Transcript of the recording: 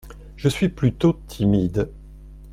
Je suis plutôt timide.